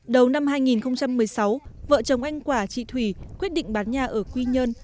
đầu năm hai nghìn một mươi sáu vợ chồng anh quả chị thủy quyết định bán nhà ở quy nhơn